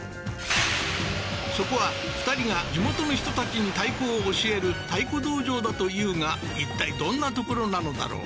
そこは２人が地元の人たちに太鼓を教える太鼓道場だというがいったいどんな所なのだろう？